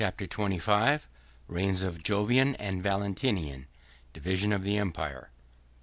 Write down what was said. ] Chapter XXV: Reigns Of Jovian And Valentinian, Division Of The Empire.